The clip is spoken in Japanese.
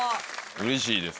うれしいですか？